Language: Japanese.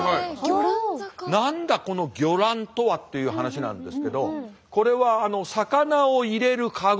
「何だこの魚籃とは？」っていう話なんですけどこれは魚を入れるカゴ。